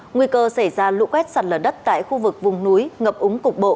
nguy cơ xảy ra lũ quét sạt lở đất tại khu vực vùng núi ngập úng cục bộ